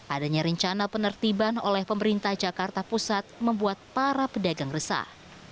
adanya rencana penertiban oleh pemerintah jakarta pusat membuat para pedagang resah